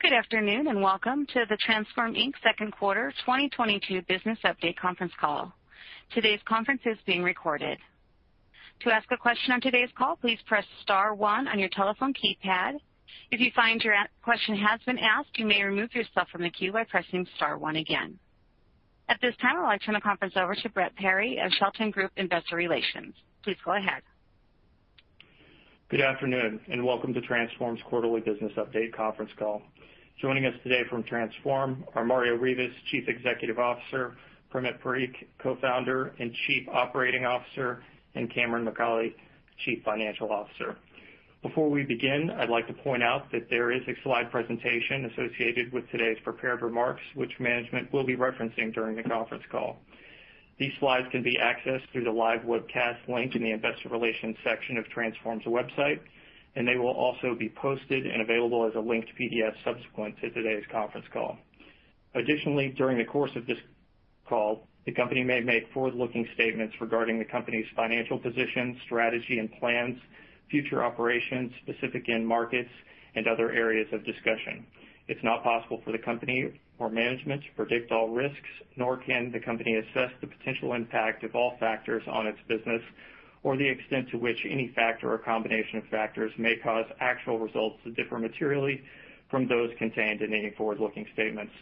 Good afternoon, and welcome to the Transphorm Inc. second quarter 2022 business update conference call. Today's conference is being recorded. To ask a question on today's call, please press star one on your telephone keypad. If you find your question has been asked, you may remove yourself from the queue by pressing star one again. At this time, I'll turn the conference over to Brett Perry of Shelton Group Investor Relations. Please go ahead. Good afternoon, and welcome to Transphorm's quarterly business update conference call. Joining us today from Transphorm are Mario Rivas, Chief Executive Officer, Primit Parikh, Co-Founder and Chief Operating Officer, and Cameron McAulay, Chief Financial Officer. Before we begin, I'd like to point out that there is a slide presentation associated with today's prepared remarks, which management will be referencing during the conference call. These slides can be accessed through the live webcast link in the investor relations section of Transphorm's website, and they will also be posted and available as a linked PDF subsequent to today's conference call. Additionally, during the course of this call, the company may make forward-looking statements regarding the company's financial position, strategy and plans, future operations, specific end markets and other areas of discussion. It's not possible for the company or management to predict all risks, nor can the company assess the potential impact of all factors on its business or the extent to which any factor or combination of factors may cause actual results to differ materially from those contained in any forward-looking statements.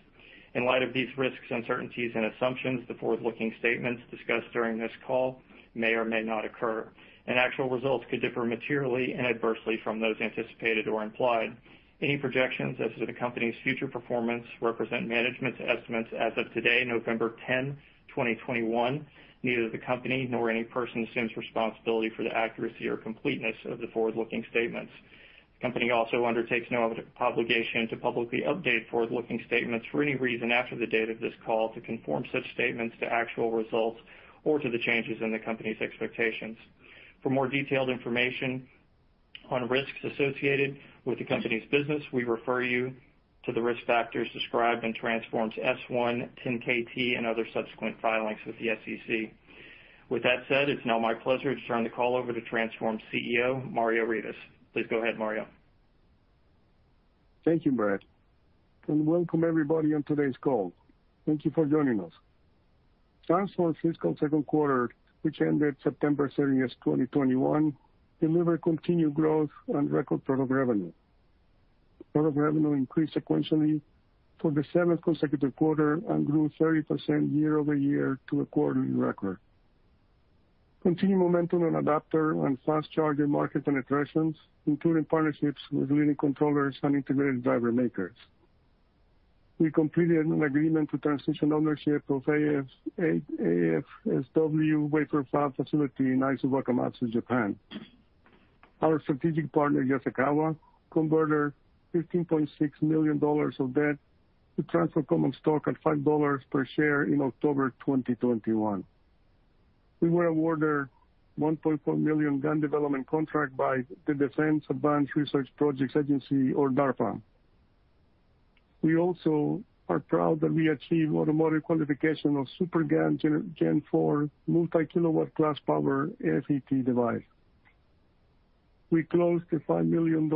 In light of these risks, uncertainties, and assumptions, the forward-looking statements discussed during this call may or may not occur, and actual results could differ materially and adversely from those anticipated or implied. Any projections as to the company's future performance represent management's estimates as of today, November 10, 2021. Neither the company nor any person assumes responsibility for the accuracy or completeness of the forward-looking statements. The company also undertakes no obligation to publicly update forward-looking statements for any reason after the date of this call to conform such statements to actual results or to the changes in the company's expectations. For more detailed information on risks associated with the company's business, we refer you to the risk factors described in Transphorm's S-1, 10-KT, and other subsequent filings with the SEC. With that said, it's now my pleasure to turn the call over to Transphorm CEO, Mario Rivas. Please go ahead, Mario. Thank you, Brett, and welcome everybody on today's call. Thank you for joining us. Transphorm's fiscal second quarter, which ended September 30, 2021, delivered continued growth on record product revenue. Product revenue increased sequentially for the seventh consecutive quarter and grew 30% year-over-year to a quarterly record. Continued momentum on adapter and fast charger market penetrations, including partnerships with leading controllers and integrated driver makers. We completed an agreement to transition ownership of AFSW wafer fab facility in Aizuwakamatsu, Japan. Our strategic partner, Yaskawa, converted $15.6 million of debt to Transphorm common stock at $5 per share in October 2021. We were awarded $1.4 million GaN development contract by the Defense Advanced Research Projects Agency, or DARPA. We also are proud that we achieved automotive qualification of SuperGaN Gen IV Multi-Kilowatt Class Power FET device. We closed a $5 million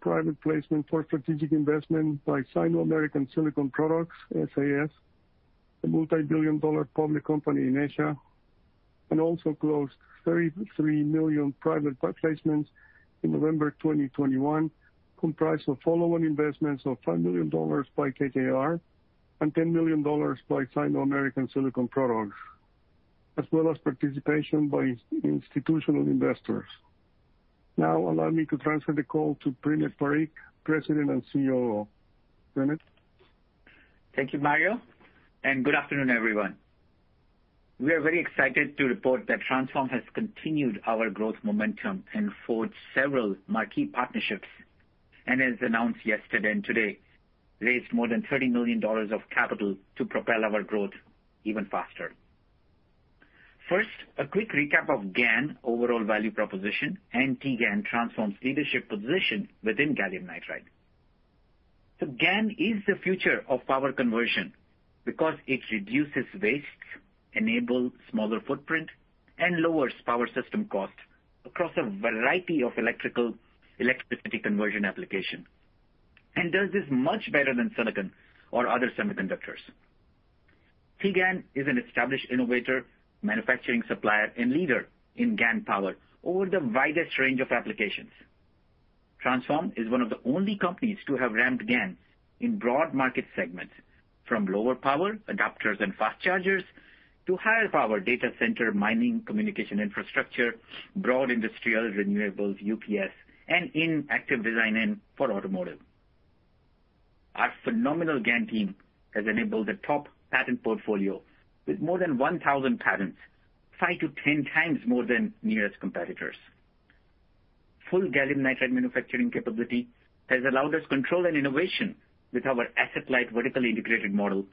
private placement for strategic investment by Sino-American Silicon Products, SAS, a multi-billion-dollar public company in Asia, and also closed $33 million private placements in November 2021, comprised of follow-on investments of $5 million by KKR and $10 million by Sino-American Silicon Products, as well as participation by institutional investors. Now allow me to transfer the call to Primit Parikh, President and COO. Primit. Thank you, Mario, and good afternoon, everyone. We are very excited to report that Transphorm has continued our growth momentum and forged several marquee partnerships, and as announced yesterday and today, raised more than $30 million of capital to propel our growth even faster. First, a quick recap of GaN overall value proposition and Transphorm's leadership position within gallium nitride. GaN is the future of power conversion because it reduces waste, enables smaller footprint, and lowers power system cost across a variety of electricity conversion application. Does this much better than silicon or other semiconductors. TGAN is an established innovator, manufacturing supplier and leader in GaN power over the widest range of applications. Transphorm is one of the only companies to have ramped GaNs in broad market segments, from lower power adapters and fast chargers to higher power data center mining communication infrastructure, broad industrial renewables, UPS, and in active design-in for automotive. Our phenomenal GaN team has enabled a top patent portfolio with more than 1,000 patents, five to 10 times more than nearest competitors. Full gallium nitride manufacturing capability has allowed us control and innovation with our asset-light vertically integrated model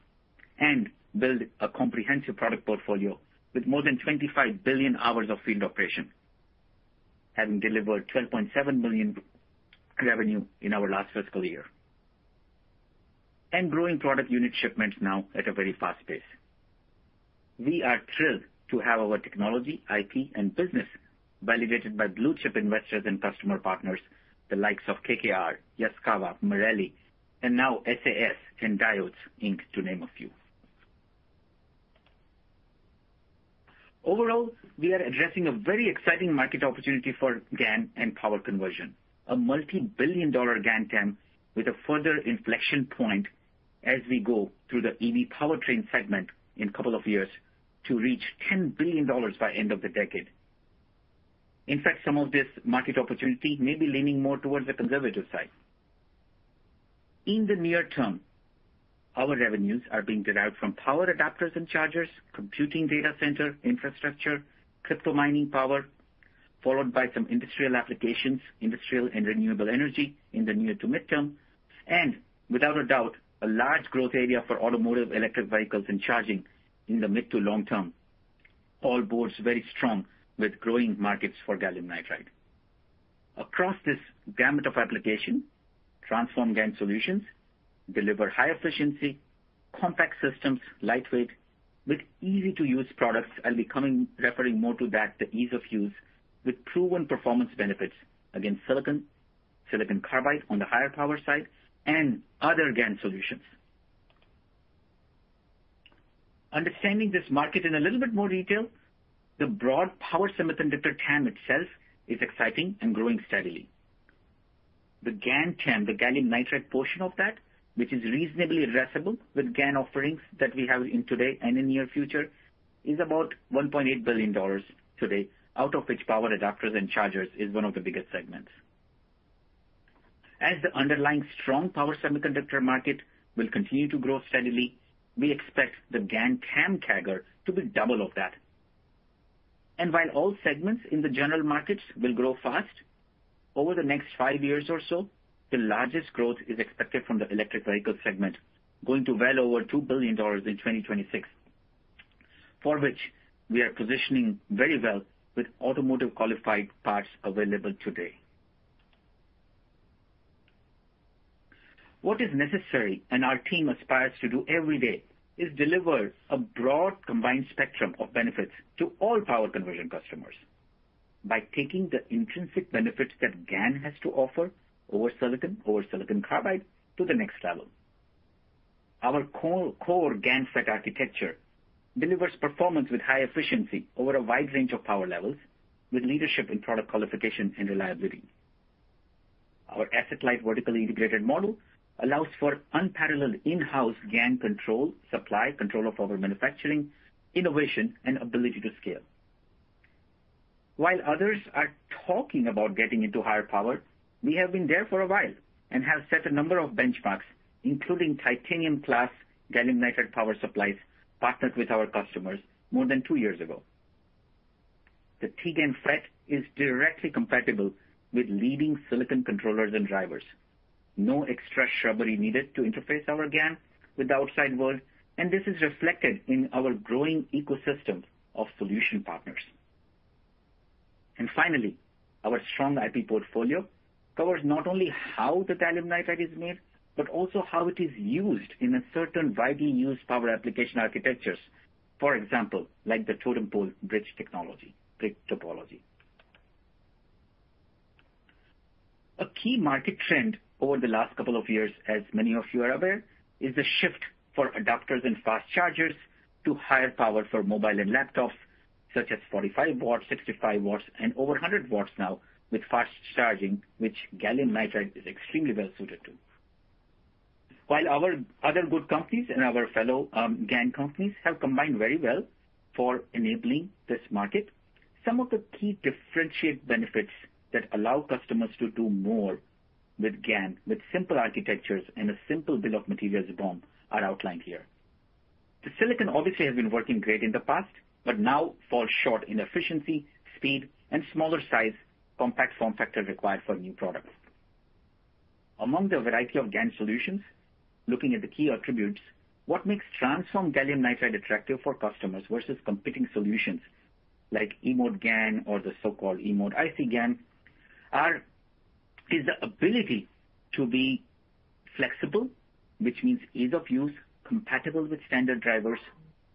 and build a comprehensive product portfolio with more than 25 billion hours of field operation, having delivered $12.7 billion revenue in our last fiscal year. Growing product unit shipments now at a very fast pace. We are thrilled to have our technology, IP, and business validated by blue chip investors and customer partners, the likes of KKR, Yaskawa, Marelli, and now SAS and Diodes Inc., to name a few. Overall, we are addressing a very exciting market opportunity for GaN and power conversion. A multi-billion-dollar GaN TAM with a further inflection point as we go through the EV powertrain segment in a couple of years to reach $10 billion by end of the decade. In fact, some of this market opportunity may be leaning more towards the conservative side. In the near term, our revenues are being derived from power adapters and chargers, computing data center infrastructure, crypto mining power, followed by some industrial applications, industrial and renewable energy in the near to mid-term, and without a doubt, a large growth area for automotive, electric vehicles and charging in the mid to long term. all bodes very strong with growing markets for gallium nitride. Across this gamut of application, Transphorm GaN solutions deliver high efficiency, compact systems, lightweight, with easy-to-use products. I'll be referring more to that, the ease of use, with proven performance benefits against silicon carbide on the higher power side, and other GaN solutions. Understanding this market in a little bit more detail, the broad power semiconductor TAM itself is exciting and growing steadily. The GaN TAM, the gallium nitride portion of that, which is reasonably addressable with GaN offerings that we have today and in near future, is about $1.8 billion today, out of which power adapters and chargers is one of the biggest segments. As the underlying strong power semiconductor market will continue to grow steadily, we expect the GaN TAM CAGR to be double of that. While all segments in the general markets will grow fast, over the next five years or so, the largest growth is expected from the electric vehicle segment, going to well over $2 billion in 2026, for which we are positioning very well with automotive qualified parts available today. What is necessary and our team aspires to do every day, is deliver a broad combined spectrum of benefits to all power conversion customers by taking the intrinsic benefits that GaN has to offer over silicon, over silicon carbide to the next level. Our core GaN FET architecture delivers performance with high efficiency over a wide range of power levels, with leadership in product qualification and reliability. Our asset-light vertically integrated model allows for unparalleled in-house GaN control, supply, control of our manufacturing, innovation, and ability to scale. While others are talking about getting into higher power, we have been there for a while and have set a number of benchmarks, including Titanium plus gallium nitride power supplies, partnered with our customers more than two years ago. The SuperGaN FET is directly compatible with leading silicon controllers and drivers. No extra circuitry needed to interface our GaN with the outside world, and this is reflected in our growing ecosystem of solution partners. Finally, our strong IP portfolio covers not only how the gallium nitride is made, but also how it is used in a certain widely used power application architectures, for example, like the totem pole bridge technology, bridge topology. A key market trend over the last couple of years, as many of you are aware, is the shift for adapters and fast chargers to higher power for mobile and laptops, such as 45 W, 65 W, and over 100 W now with fast charging, which gallium nitride is extremely well suited to. While our other good companies and our fellow GaN companies have combined very well for enabling this market, some of the key differentiate benefits that allow customers to do more with GaN, with simple architectures and a simple bill of materials BOM are outlined here. The silicon obviously has been working great in the past, but now falls short in efficiency, speed, and smaller size compact form factor required for new products. Among the variety of GaN solutions, looking at the key attributes, what makes Transphorm gallium nitride attractive for customers versus competing solutions like e-mode GaN or the so-called e-mode IC GaN is the ability to be flexible, which means ease of use, compatible with standard drivers,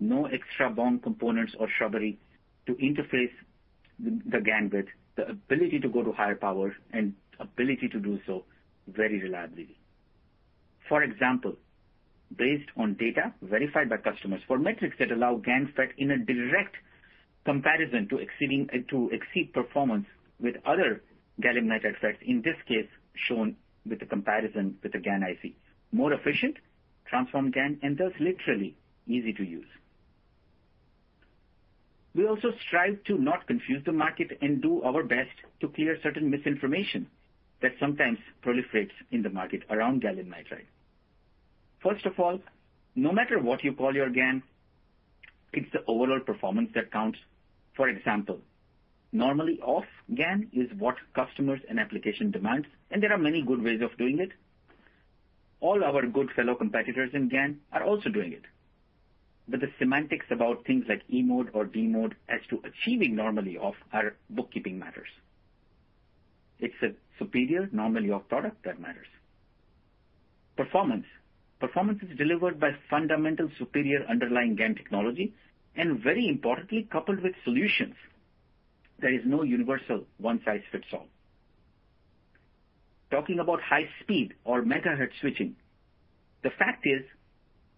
no extra BOM components or circuitry to interface the GaN with. The ability to go to higher power and ability to do so very reliably. For example, based on data verified by customers for metrics that allow GaN FET in a direct comparison to exceed performance with other gallium nitride FETs, in this case, shown with the comparison with the GaN IC. More efficient, Transphorm GaN, and thus literally easy to use. We also strive to not confuse the market and do our best to clear certain misinformation that sometimes proliferates in the market around gallium nitride. First of all, no matter what you call your GaN, it's the overall performance that counts. For example, normally off GaN is what customers and applications demand, and there are many good ways of doing it. All our good fellow competitors in GaN are also doing it. The semantics about things like e-mode or d-mode as to achieving normally off are bookkeeping matters. It's a superior normally off product that matters. Performance. Performance is delivered by fundamental, superior underlying GaN technology and very importantly, coupled with solutions. There is no universal one-size-fits-all. Talking about high speed or megahertz switching, the fact is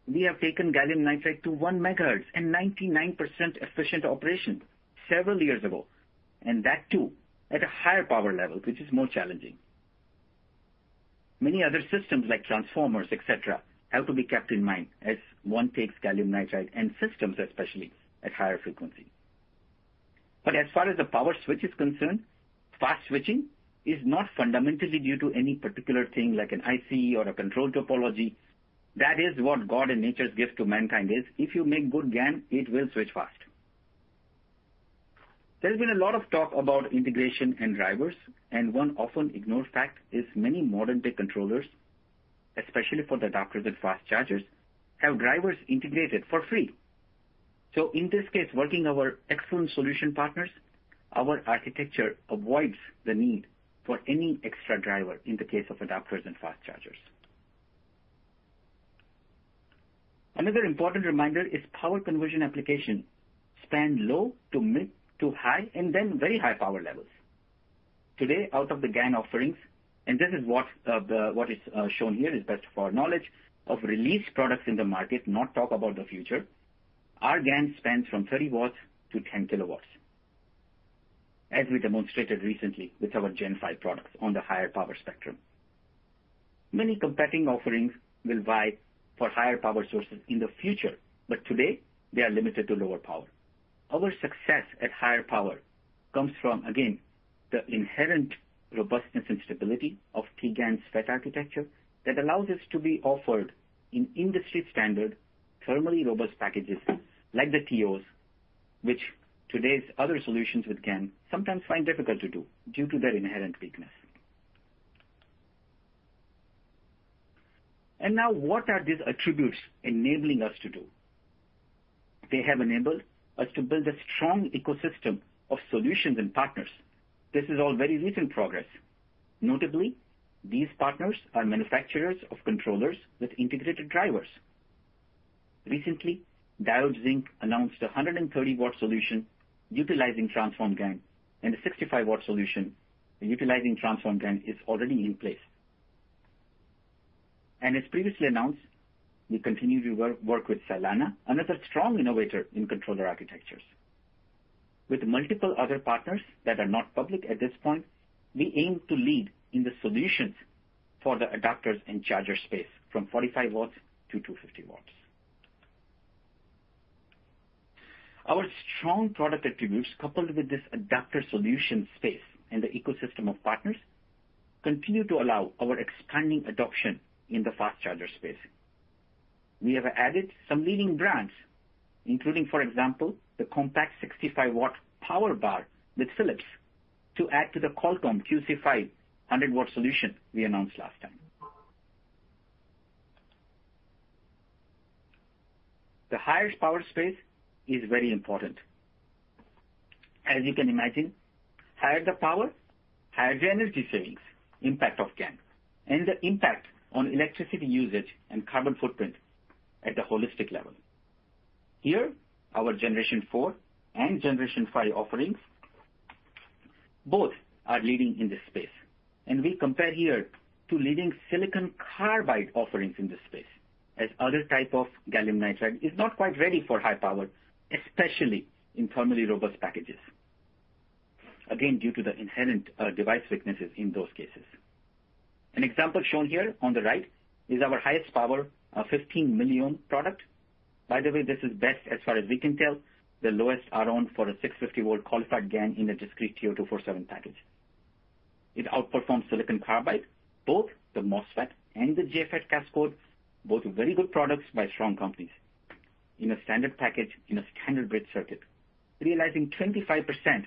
we have taken gallium nitride to 1 MHz and 99% efficient operation several years ago, and that too at a higher power level, which is more challenging. Many other systems like transformers, et cetera, have to be kept in mind as one takes gallium nitride and systems, especially at higher frequency. As far as the power switch is concerned, fast switching is not fundamentally due to any particular thing like an IC or a control topology. That is what God and nature's gift to mankind is. If you make good GaN, it will switch fast. There's been a lot of talk about integration and drivers, and one often ignored fact is many modern-day controllers, especially for the adapters and fast chargers, have drivers integrated for free. In this case, working with our excellent solution partners, our architecture avoids the need for any extra driver in the case of adapters and fast chargers. Another important reminder is power conversion applications span low to mid to high and then very high power levels. Today, out of the GaN offerings, and this is what is shown here is best of our knowledge of released products in the market, not talk about the future. Our GaN spans from 30 W-10 kWs, as we demonstrated recently with our Gen V products on the higher power spectrum. Many competing offerings will vie for higher power sources in the future, but today they are limited to lower power. Our success at higher power comes from, again, the inherent robustness and stability of SuperGaN's FET architecture that allows us to be offered in industry-standard, thermally robust packages like the TOs, which today's other solutions with GaN sometimes find difficult to do due to their inherent weakness. Now what are these attributes enabling us to do? They have enabled us to build a strong ecosystem of solutions and partners. This is all very recent progress. Notably, these partners are manufacturers of controllers with integrated drivers. Recently, Diodes Inc. announced a 130-watt solution utilizing Transphorm GaN and a 65 W solution utilizing Transphorm GaN is already in place. As previously announced, we continue to work with Silanna, another strong innovator in controller architectures. With multiple other partners that are not public at this point, we aim to lead in the solutions for the adapters and charger space from 45 W-250 W. Our strong product attributes, coupled with this adapter solution space and the ecosystem of partners, continue to allow our expanding adoption in the fast charger space. We have added some leading brands, including, for example, the compact 65-watt power bar with Philips to add to the Qualcomm QC 5 100W solution we announced last time. The highest power space is very important. As you can imagine, higher the power, higher the energy savings impact of GaN and the impact on electricity usage and carbon footprint at a holistic level. Here, our Generation 4 and Generation 5 offerings both are leading in this space, and we compare here to leading silicon carbide offerings in this space, as other type of gallium nitride is not quite ready for high power, especially in thermally robust packages, again, due to the inherent device weaknesses in those cases. An example shown here on the right is our highest power 15 mΩ product. By the way, this is, as far as we can tell, the lowest RDS(on) for a 650 V qualified GaN in a discrete TO-247 package. It outperforms silicon carbide, both the MOSFET and the JFET cascode, both very good products by strong companies in a standard package, in a standard bridge circuit, realizing 25%-38%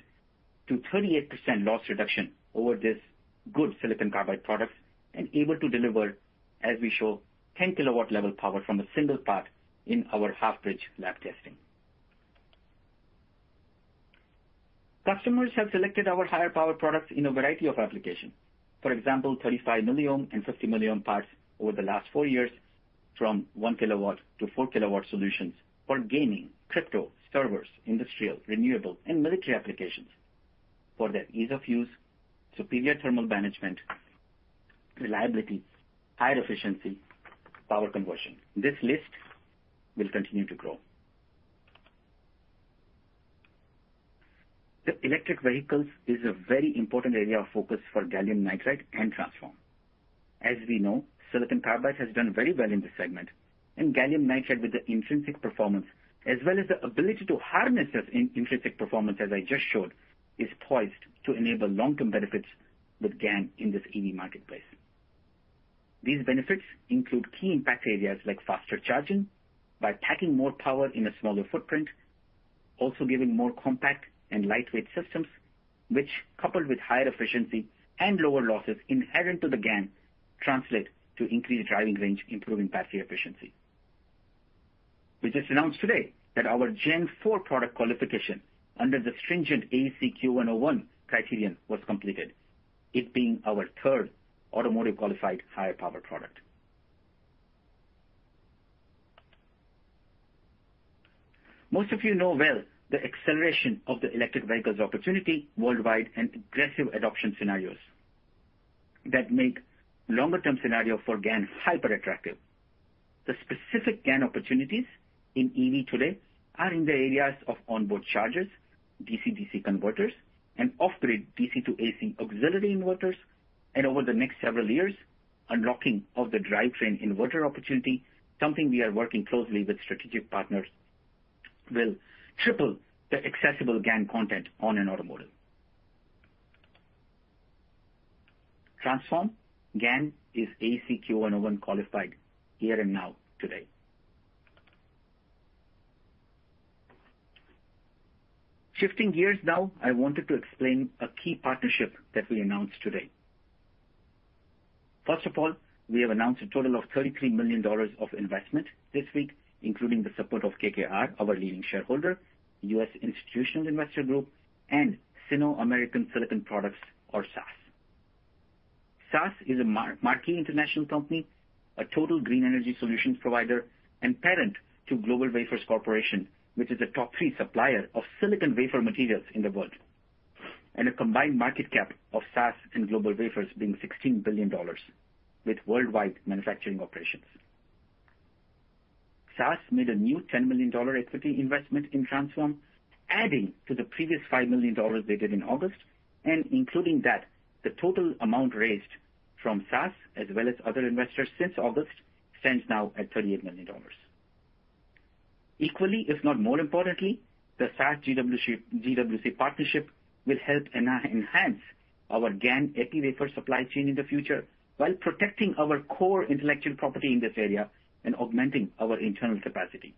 loss reduction over these good silicon carbide products and able to deliver, as we show, 10-KW-level power from a single part in our half-bridge lab testing. Customers have selected our higher power products in a variety of applications. For example, 35 mΩ and 50 mΩ parts over the last four years from 1 kW-4 kW solutions for gaming, crypto, servers, industrial, renewable and military applications for their ease of use, superior thermal management, reliability, high efficiency, power conversion. This list will continue to grow. Electric vehicles is a very important area of focus for gallium nitride and Transphorm. As we know, silicon carbide has done very well in this segment, and gallium nitride with the intrinsic performance as well as the ability to harness this intrinsic performance as I just showed, is poised to enable long-term benefits with GaN in this EV marketplace. These benefits include key impact areas like faster charging by packing more power in a smaller footprint, also giving more compact and lightweight systems which, coupled with higher efficiency and lower losses inherent to the GaN, translate to increased driving range, improving battery efficiency. We just announced today that our Gen IV product qualification under the stringent AEC-Q101 criterion was completed, it being our third automotive qualified higher power product. Most of you know well the acceleration of the electric vehicles opportunity worldwide and aggressive adoption scenarios that make longer-term scenario for GaN hyper attractive. The specific GaN opportunities in EV today are in the areas of onboard chargers, DC/DC converters and off-grid DC to AC auxiliary inverters. Over the next several years, unlocking of the drivetrain inverter opportunity, something we are working closely with strategic partners, will triple the accessible GaN content on an automotive. Transphorm GaN is AEC-Q101 qualified here and now today. Shifting gears now, I wanted to explain a key partnership that we announced today. First of all, we have announced a total of $33 million of investment this week, including the support of KKR, our leading shareholder, U.S. Institutional Investor Group and Sino-American Silicon Products or SAS. SAS is a major international company, a total green energy solutions provider, and parent to GlobalWafers Corporation, which is a top-three supplier of silicon wafer materials in the world, and a combined market cap of SAS and GlobalWafers being $16 billion with worldwide manufacturing operations. SAS made a new $10 million equity investment in Transphorm, adding to the previous $5 million they did in August. Including that, the total amount raised from SAS as well as other investors since August stands now at $38 million. Equally, if not more importantly, the SAS GWC partnership will help enhance our GaN epi wafer supply chain in the future while protecting our core intellectual property in this area and augmenting our internal capacity.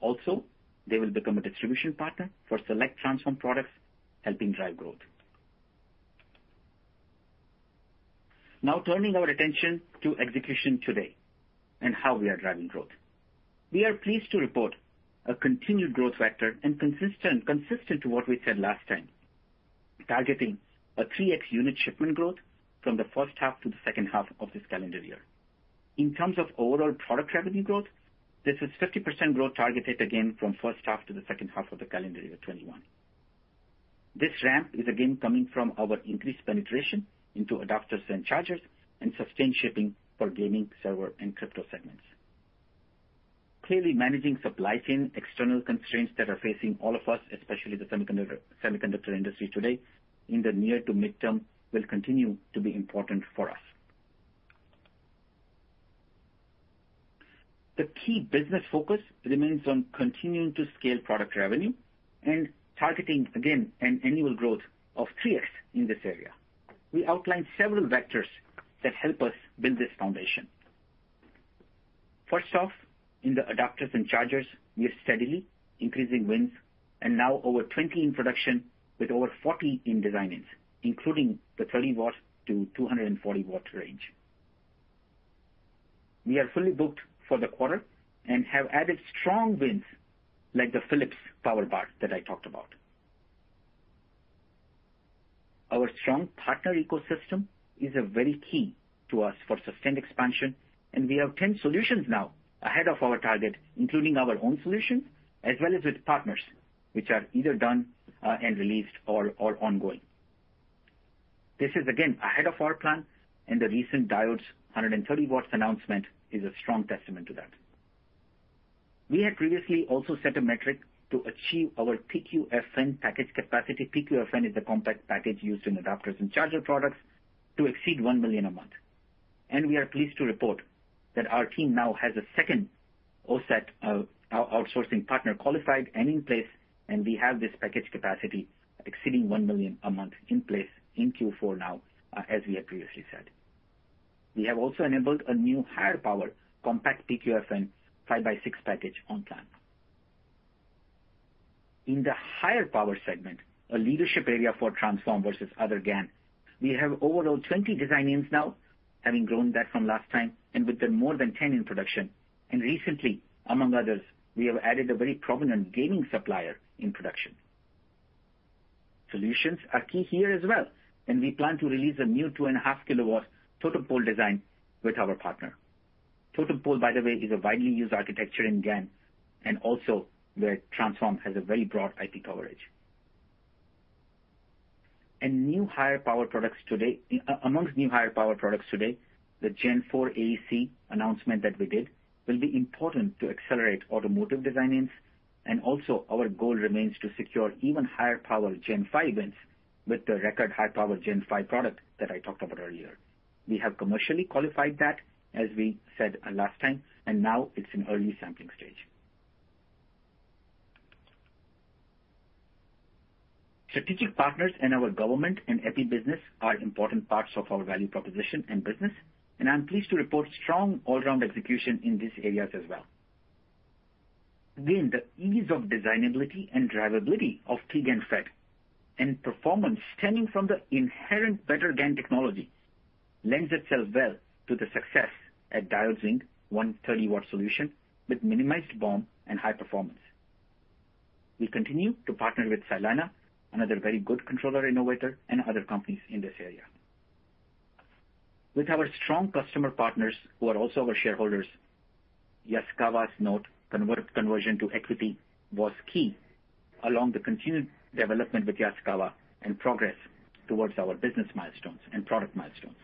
Also, they will become a distribution partner for select Transphorm products, helping drive growth. Now turning our attention to execution today and how we are driving growth. We are pleased to report a continued growth vector and consistent to what we said last time, targeting a 3x unit shipment growth from the first half to the second half of this calendar year. In terms of overall product revenue growth, this is 50% growth targeted again from first half to the second half of the calendar year 2021. This ramp is again coming from our increased penetration into adapters and chargers and sustained shipping for gaming, server and crypto segments. Clearly, managing supply chain external constraints that are facing all of us, especially the semiconductor industry today in the near to mid-term, will continue to be important for us. The key business focus remains on continuing to scale product revenue and targeting again an annual growth of 3x in this area. We outlined several vectors that help us build this foundation. First off, in the adapters and chargers, we are steadily increasing wins and now over 20 in production with over 40 in design-ins, including the 30 W-240 W range. We are fully booked for the quarter and have added strong wins like the Philips Power Bar that I talked about. Our strong partner ecosystem is a very key to us for sustained expansion, and we have 10 solutions now ahead of our target, including our own solutions as well as with partners which are either done, and released or ongoing. This is again ahead of our plan and the recent Diodes 130 W announcement is a strong testament to that. We had previously also set a metric to achieve our PQFN package capacity. PQFN is the compact package used in adapters and charger products to exceed 1 million a month. We are pleased to report that our team now has a second OSAT outsourcing partner qualified and in place, and we have this package capacity exceeding 1 million a month in place in Q4 now, as we have previously said. We have also enabled a new higher power compact PQFN 5x6 package on plan. In the higher power segment, a leadership area for Transphorm versus other GaN, we have overall 20 design-ins now, having grown that from last time and with the more than 10 in production. Recently, among others, we have added a very prominent gaming supplier in production. Solutions are key here as well, and we plan to release a new 2.5 kW totem pole design with our partner. Totem pole, by the way, is a widely used architecture in GaN and also where Transphorm has a very broad IP coverage. Among new higher power products today, the Gen IV AEC announcement that we did will be important to accelerate automotive design-ins. Our goal remains to secure even higher power Gen V wins with the record high power Gen V product that I talked about earlier. We have commercially qualified that, as we said last time, and now it's in early sampling stage. Strategic partners and our government and epi business are important parts of our value proposition and business, and I'm pleased to report strong all around execution in these areas as well. Again, the ease of designability and drivability of SuperGaN FET and performance stemming from the inherently better GaN technology lends itself well to the success at Diodes 130 W solution with minimized BOM and high performance. We continue to partner with Silanna, another very good controller innovator, and other companies in this area. With our strong customer partners who are also our shareholders, Yaskawa's note conversion to equity was key along with the continued development with Yaskawa and progress towards our business milestones and product milestones.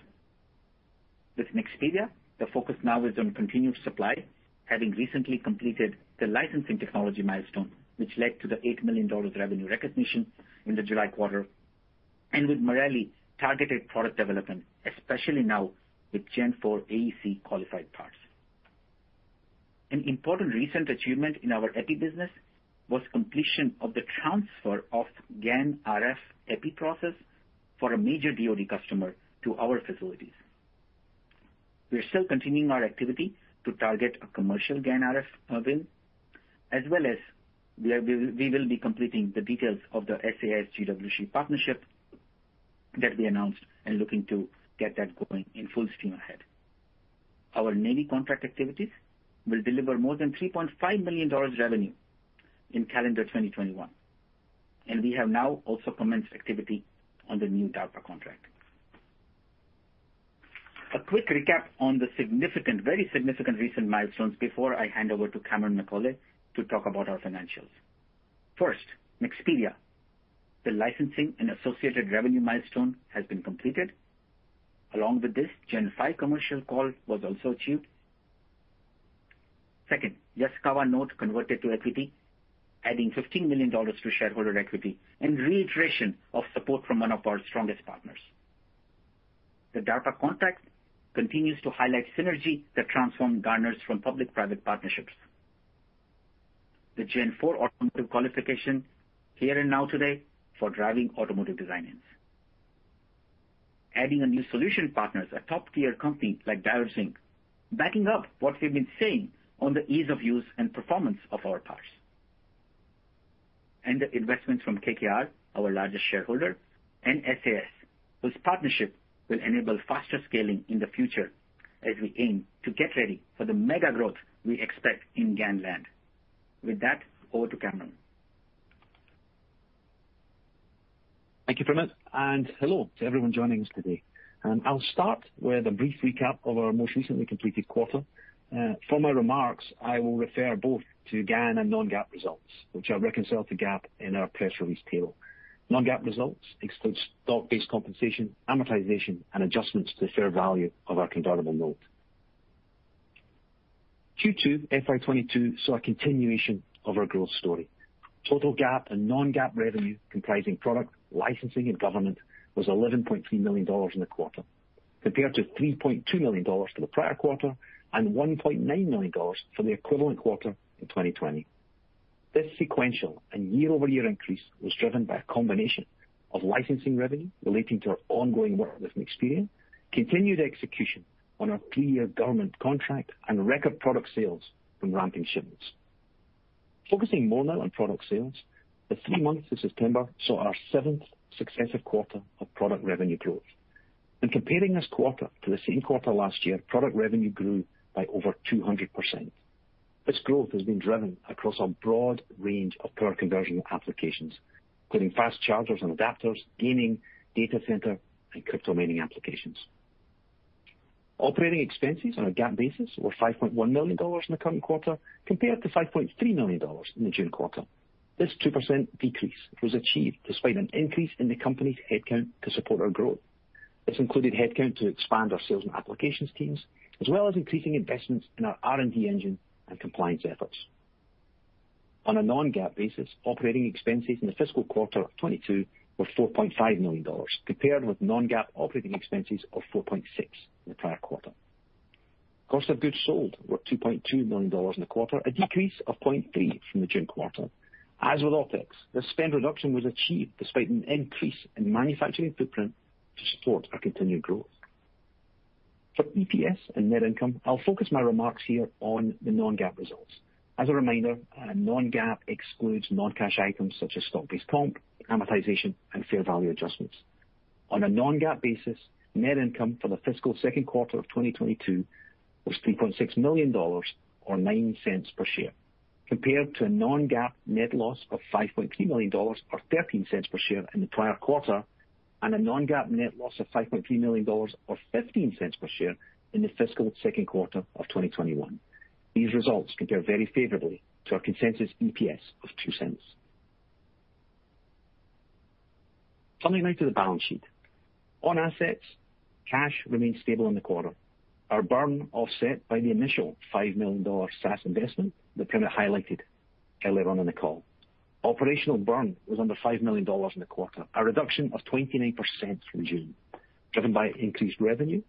With Nexperia, the focus now is on continued supply, having recently completed the licensing technology milestone, which led to the $8 million revenue recognition in the July quarter. With Marelli, targeted product development, especially now with Gen IV AEC qualified parts. An important recent achievement in our epi business was completion of the transfer of GaN RF epi process for a major DoD customer to our facilities. We are still continuing our activity to target a commercial GaN RF win, as well as we will be completing the details of the SAS/GWC partnership that we announced and looking to get that going in full steam ahead. Our Navy contract activities will deliver more than $3.5 million revenue in calendar 2021, and we have now also commenced activity on the new DARPA contract. A quick recap on the very significant recent milestones before I hand over to Cameron McAulay to talk about our financials. First, Nexperia. The licensing and associated revenue milestone has been completed. Along with this, Gen V commercial call was also achieved. Second, Yaskawa note converted to equity, adding $15 million to shareholder equity and reiteration of support from one of our strongest partners. The DARPA contract continues to highlight synergy that Transphorm garners from public-private partnerships. The Gen IV automotive qualification here and now today for driving automotive design wins. Adding a new solution partner, a top-tier company like Dialog Semiconductor, backing up what we've been saying on the ease of use and performance of our parts. The investments from KKR, our largest shareholder, and SAS, whose partnership will enable faster scaling in the future as we aim to get ready for the mega growth we expect in GaN land. With that, over to Cameron. Thank you, Primit, and hello to everyone joining us today. I'll start with a brief recap of our most recently completed quarter. For my remarks, I will refer both to GaN and non-GAAP results, which I reconcile to GAAP in our press release table. Non-GAAP results excludes stock-based compensation, amortization, and adjustments to the fair value of our convertible note. Q2 FY 2022 saw a continuation of our growth story. Total GAAP and non-GAAP revenue, comprising product licensing and government, was $11.3 million in the quarter, compared to $3.2 million for the prior quarter and $1.9 million for the equivalent quarter in 2020. This sequential and year-over-year increase was driven by a combination of licensing revenue relating to our ongoing work with Nexperia, continued execution on our three-year government contract, and record product sales from ramping shipments. Focusing more now on product sales, the three months to September saw our seventh successive quarter of product revenue growth. In comparing this quarter to the same quarter last year, product revenue grew by over 200%. This growth has been driven across a broad range of power conversion applications, including fast chargers and adapters, gaming, data center, and crypto mining applications. Operating expenses on a GAAP basis were $5.1 million in the current quarter, compared to $5.3 million in the June quarter. This 2% decrease was achieved despite an increase in the company's headcount to support our growth. This included headcount to expand our sales and applications teams, as well as increasing investments in our R&D engine and compliance efforts. On a non-GAAP basis, operating expenses in the fiscal quarter 2022 were $4.5 million, compared with non-GAAP operating expenses of $4.6 million in the prior quarter. Cost of goods sold were $2.2 million in the quarter, a decrease of $0.3 million from the June quarter. As with OpEx, the spend reduction was achieved despite an increase in manufacturing footprint to support our continued growth. For EPS and net income, I'll focus my remarks here on the non-GAAP results. As a reminder, non-GAAP excludes non-cash items such as stock-based comp, amortization, and fair value adjustments. On a non-GAAP basis, net income for the fiscal second quarter of 2022 was $3.6 million or $0.09 per share, compared to a non-GAAP net loss of $5.3 million or $0.13 per share in the prior quarter, and a non-GAAP net loss of $5.3 million or $0.15 per share in the fiscal second quarter of 2021. These results compare very favorably to our consensus EPS of $0.02. Coming now to the balance sheet. On assets, cash remained stable in the quarter. Our burn offset by the initial $5 million SAS investment that Primit highlighted earlier on in the call. Operational burn was under $5 million in the quarter, a reduction of 29% from June, driven by increased revenue,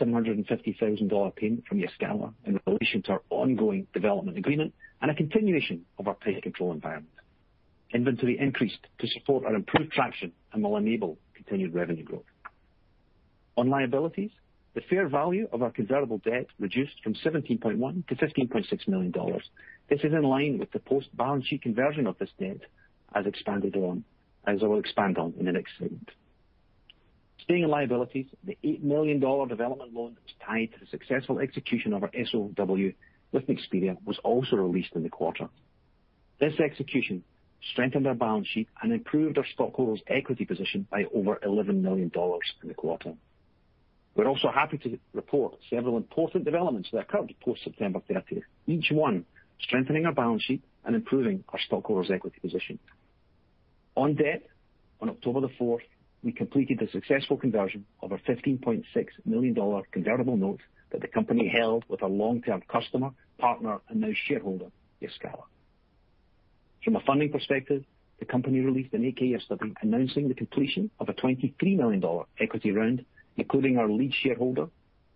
a $750,000 payment from Yaskawa in relation to our ongoing development agreement, and a continuation of our tight control environment. Inventory increased to support our improved traction and will enable continued revenue growth. On liabilities. The fair value of our convertible debt reduced from $17.1 million-$15.6 million. This is in line with the post-balance sheet conversion of this debt as expanded on, as I will expand on in the next segment. Staying in liabilities, the $8 million development loan that was tied to the successful execution of our SOW with Nexperia was also released in the quarter. This execution strengthened our balance sheet and improved our stockholders' equity position by over $11 million in the quarter. We're also happy to report several important developments that occurred post-September 30, each one strengthening our balance sheet and improving our stockholders' equity position. On debt, on October 4, we completed the successful conversion of our $15.6 million convertible note that the company held with a long-term customer, partner, and now shareholder, Yaskawa. From a funding perspective, the company released an 8-K/SB announcing the completion of a $23 million equity round, including our lead shareholder,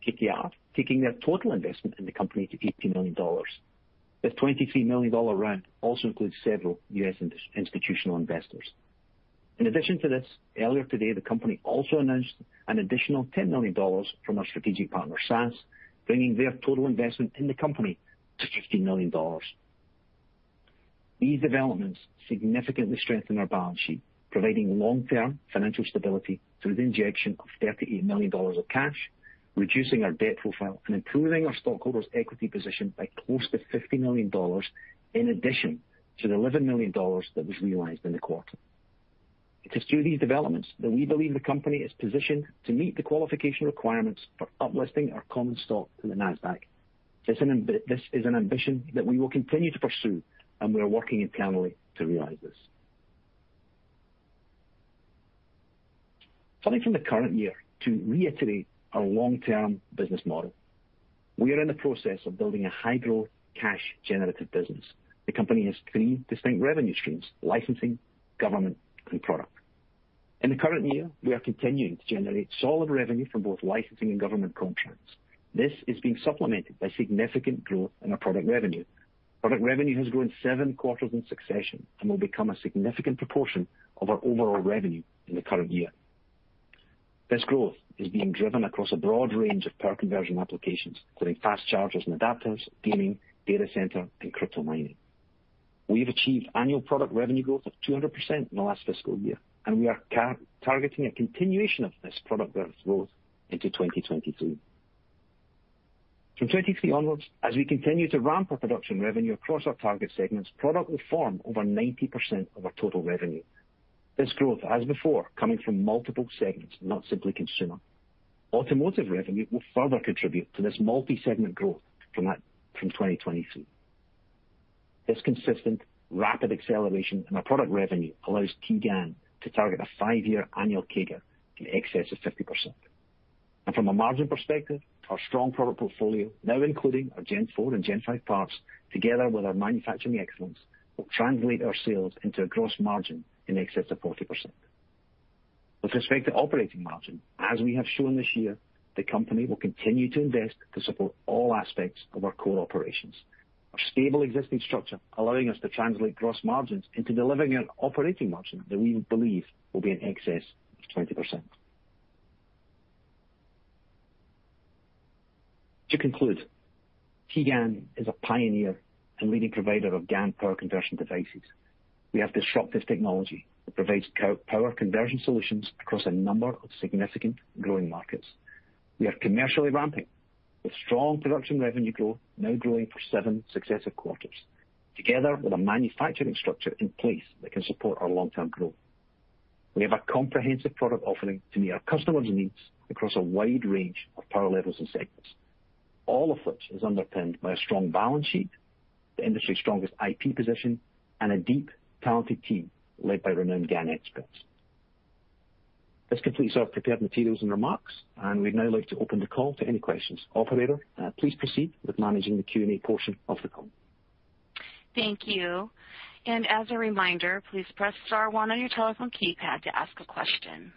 KKR, taking their total investment in the company to $80 million. This $23 million round also includes several U.S. institutional investors. In addition to this, earlier today, the company also announced an additional $10 million from our strategic partner, SAS, bringing their total investment in the company to $15 million. These developments significantly strengthen our balance sheet, providing long-term financial stability through the injection of $38 million of cash, reducing our debt profile and improving our stockholders' equity position by close to $50 million, in addition to the $11 million that was realized in the quarter. It is through these developments that we believe the company is positioned to meet the qualification requirements for up-listing our common stock in the Nasdaq. This is an ambition that we will continue to pursue, and we are working internally to realize this. Turning from the current year to reiterate our long-term business model. We are in the process of building a high-growth, cash-generative business. The company has three distinct revenue streams, licensing, government, and product. In the current year, we are continuing to generate solid revenue from both licensing and government contracts. This is being supplemented by significant growth in our product revenue. Product revenue has grown seven quarters in succession and will become a significant proportion of our overall revenue in the current year. This growth is being driven across a broad range of power conversion applications, including fast chargers and adapters, gaming, data center, and crypto mining. We have achieved annual product revenue growth of 200% in the last fiscal year, and we are targeting a continuation of this product growth into 2023. From 2023 onwards, as we continue to ramp our product revenue across our target segments, product will form over 90% of our total revenue. This growth, as before, coming from multiple segments, not simply consumer. Automotive revenue will further contribute to this multi-segment growth from 2023. This consistent, rapid acceleration in our product revenue allows TGAN to target a five-year annual CAGR in excess of 50%. From a margin perspective, our strong product portfolio, now including our Gen IV and Gen V parts, together with our manufacturing excellence, will translate our sales into a gross margin in excess of 40%. With respect to operating margin, as we have shown this year, the company will continue to invest to support all aspects of our core operations. Our stable existing structure, allowing us to translate gross margins into delivering an operating margin that we believe will be in excess of 20%. To conclude, TGAN is a pioneer and leading provider of GaN power conversion devices. We have disruptive technology that provides GaN power conversion solutions across a number of significantly growing markets. We are commercially ramping with strong production revenue growth now growing for seven successive quarters, together with a manufacturing structure in place that can support our long-term growth. We have a comprehensive product offering to meet our customers' needs across a wide range of power levels and segments, all of which is underpinned by a strong balance sheet, the industry's strongest IP position, and a deep, talented team led by renowned GaN experts. This completes our prepared materials and remarks, and we'd now like to open the call to any questions. Operator, please proceed with managing the Q&A portion of the call. Thank you. As a reminder, please press star one on your telephone keypad to ask a question.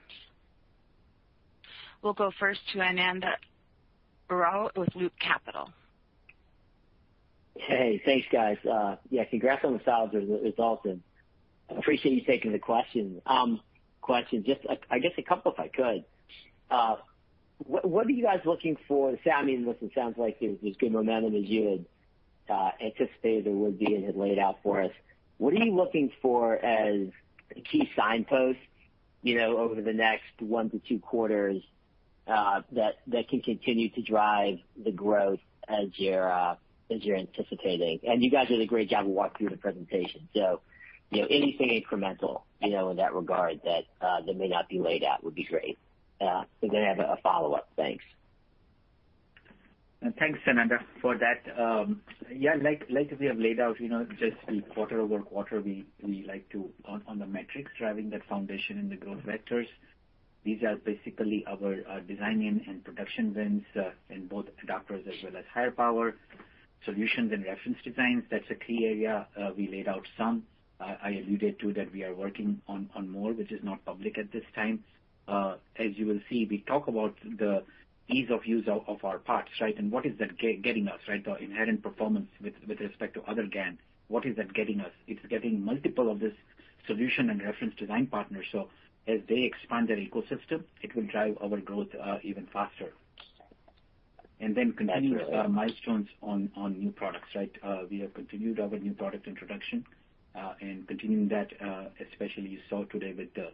We'll go first to Ananda Baruah with Loop Capital. Hey, thanks, guys. Yeah, congrats on the sales results, and appreciate you taking the questions. Just like, I guess a couple, if I could. What are you guys looking for? I mean, listen, sounds like there's good momentum as you had anticipated there would be and had laid out for us. What are you looking for as key signposts, you know, over the next one to two quarters, that can continue to drive the growth as you're anticipating? You guys did a great job of walking through the presentation, so, you know, anything incremental, you know, in that regard that may not be laid out would be great. We're gonna have a follow-up. Thanks. Thanks, Ananda, for that. Yeah, like we have laid out, you know, just the quarter-over-quarter, we like to focus on the metrics driving that foundation and the growth vectors. These are basically our design-in and production wins in both adapters as well as higher power solutions and reference designs. That's a key area. We laid out some, I alluded to, that we are working on more, which is not public at this time. As you will see, we talk about the ease of use of our parts, right? What is that getting us, right? The inherent performance with respect to other GaN, what is that getting us? It's getting multiple of this. Solution and reference design partners. As they expand their ecosystem, it will drive our growth even faster. Continuous milestones on new products, right? We have continued our new product introduction and continuing that, especially you saw today with the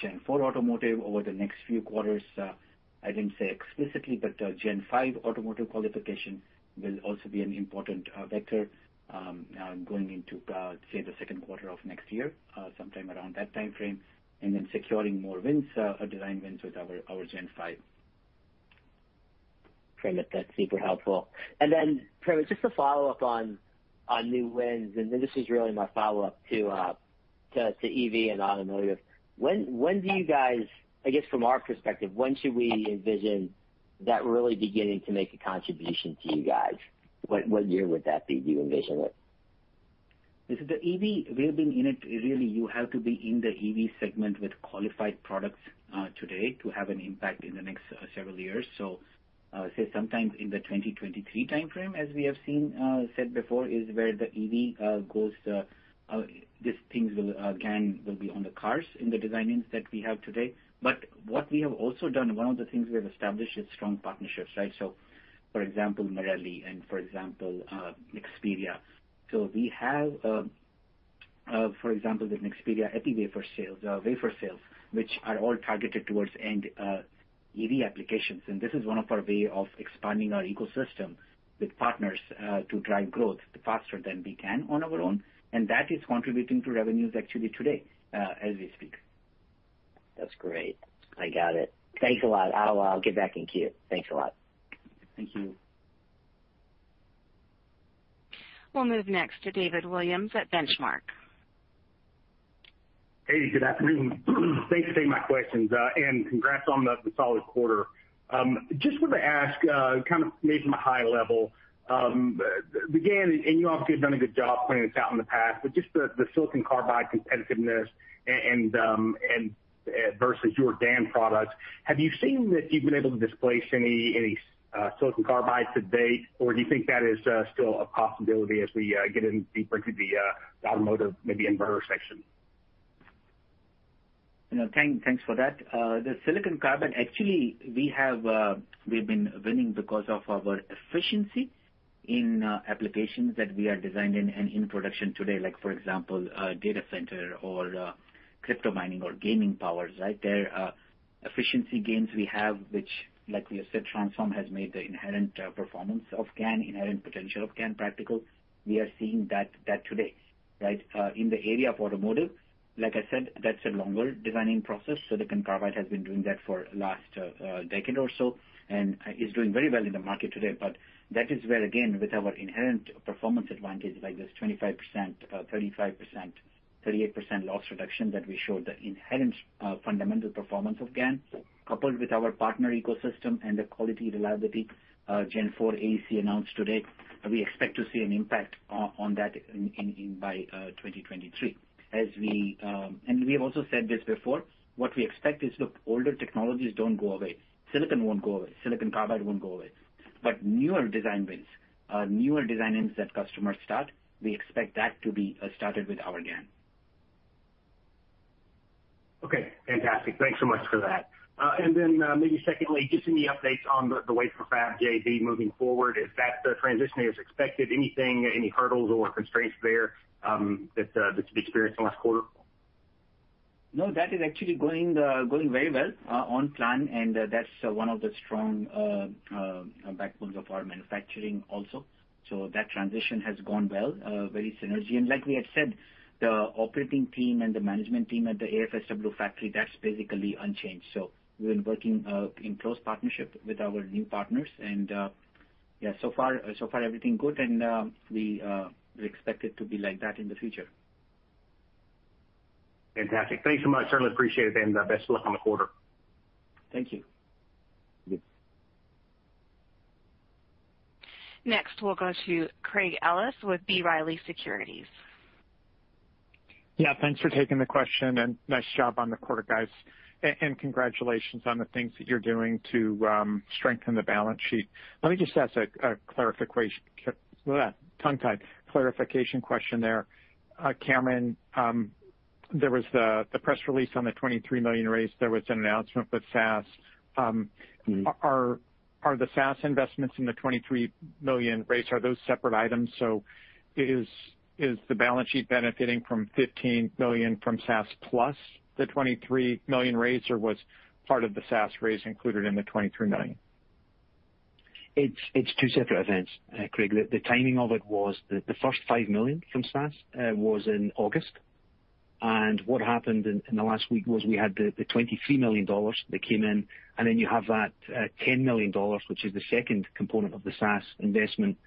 Gen IV automotive over the next few quarters. I didn't say explicitly, but Gen V automotive qualification will also be an important vector going into say the second quarter of next year, sometime around that timeframe. Securing more wins, design wins with our Gen V. Great. That's super helpful. Primit, just a follow-up on new wins, and then this is really my follow-up to EV and automotive. When do you guys, I guess from our perspective, when should we envision that really beginning to make a contribution to you guys? What year would that be you envision it? This is the EV we have been in it. Really, you have to be in the EV segment with qualified products today to have an impact in the next several years. Say, sometimes in the 2023 timeframe, as we have said before, is where the EV goes. These things will be on the cars in the design-ins that we have today. What we have also done, one of the things we have established is strong partnerships, right? For example, Marelli and Nexperia. We have, for example, with Nexperia epi wafer sales, which are all targeted towards end EV applications. This is one of our way of expanding our ecosystem with partners to drive growth faster than we can on our own. That is contributing to revenues actually today, as we speak. That's great. I got it. Thanks a lot. I'll get back in queue. Thanks a lot. Thank you. We'll move next to David Williams at Benchmark. Hey, good afternoon. Thanks for taking my questions. Congrats on the solid quarter. Just want to ask, kind of maybe from a high level, again, and you obviously have done a good job pointing this out in the past, but just the silicon carbide competitiveness and versus your GaN products, have you seen that you've been able to displace any silicon carbide to date? Or do you think that is still a possibility as we get in deeper into the automotive maybe inverter section? You know, thanks for that. The silicon carbide actually we have, we've been winning because of our efficiency in applications that we are designing and in production today. Like for example, data center or crypto mining or gaming powers, right? There are efficiency gains we have which like we have said, Transphorm has made the inherent performance of GaN, inherent potential of GaN practical. We are seeing that today, right? In the area of automotive, like I said, that's a longer designing process. Silicon carbide has been doing that for last decade or so and is doing very well in the market today. That is where, again, with our inherent performance advantage, like this 25%, 35%, 38% loss reduction that we showed, the inherent fundamental performance of GaN, coupled with our partner ecosystem and the quality reliability Gen IV AEC announced today, we expect to see an impact on that by 2023. As we and we have also said this before, what we expect is, look, older technologies don't go away. Silicon won't go away, silicon carbide won't go away. Newer design wins, newer design-ins that customers start, we expect that to be started with our GaN. Okay, fantastic. Thanks so much for that. Maybe secondly, just any updates on the wafer fab JV moving forward, is that transitioning as expected? Any hurdles or constraints there, that you've experienced in the last quarter? No, that is actually going very well on plan, and that's one of the strong backbones of our manufacturing also. That transition has gone well, very synergistic. Like we had said, the operating team and the management team at the AFSW factory, that's basically unchanged. We've been working in close partnership with our new partners and, yeah, so far everything good, and we expect it to be like that in the future. Fantastic. Thanks so much. Certainly appreciate it, and, best of luck on the quarter. Thank you. Next, we'll go to Craig Ellis with B. Riley Securities. Yeah, thanks for taking the question and nice job on the quarter, guys. Congratulations on the things that you're doing to strengthen the balance sheet. Let me just ask a clarification question there. Cameron, there was the press release on the $23 million raise. There was an announcement with SAS. Mm-hmm. Are the SAS investments in the $23 million raise, are those separate items? Is the balance sheet benefiting from $15 million from SAS plus the $23 million raise, or was part of the SAS raise included in the $23 million? It's two separate events, Craig. The timing of it was the first $5 million from SAS was in August. What happened in the last week was we had the $23 million that came in, and then you have that $10 million, which is the second component of the SAS investment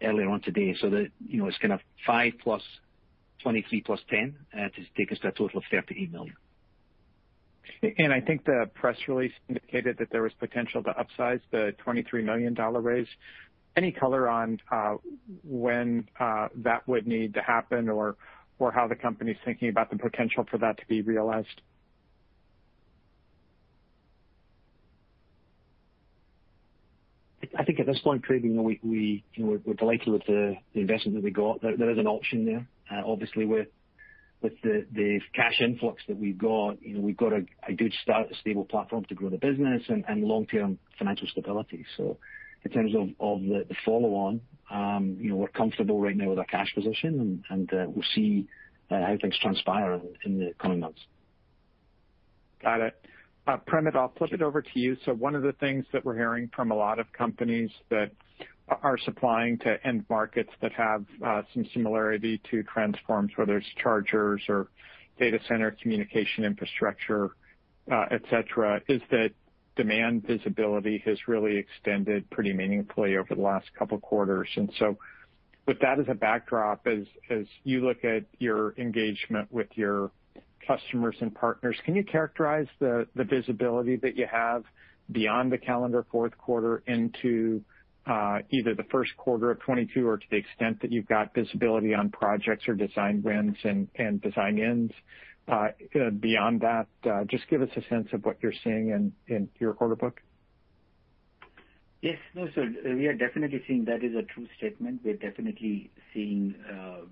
earlier on today. You know, it's kind of 5 + 23 + 10 to take us to a total of $38 million. I think the press release indicated that there was potential to upsize the $23 million raise. Any color on when that would need to happen or how the company's thinking about the potential for that to be realized? I think at this point, Craig, you know, we you know, we're delighted with the investment that we got. There is an option there. Obviously with the cash influx that we've got, you know, we've got a good start, a stable platform to grow the business and long-term financial stability. In terms of the follow on, you know, we're comfortable right now with our cash position and we'll see how things transpire in the coming months. Got it. Primit, I'll flip it over to you. One of the things that we're hearing from a lot of companies that are supplying to end markets that have some similarity to Transphorm's, whether it's chargers or data center communication infrastructure, et cetera, is that demand visibility has really extended pretty meaningfully over the last couple quarters. With that as a backdrop, as you look at your engagement with your customers and partners, can you characterize the visibility that you have beyond the calendar fourth quarter into either the first quarter of 2022 or to the extent that you've got visibility on projects or design wins and design-ins? Beyond that, just give us a sense of what you're seeing in your order book. No, we are definitely seeing that is a true statement. We're definitely seeing